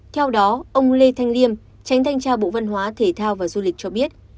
theo đó ông lê thanh liêm tránh thanh tra bộ văn hóa thể thao và du lịch cho biết